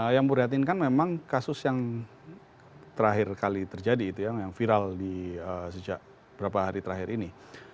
yang merihatinkan memang kasus yang terakhir kali terjadi itu yang viral sejak beberapa hari terakhir ini